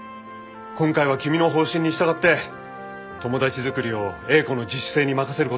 今回は君の方針に従って友達作りを英子の自主性に任せることにしよう。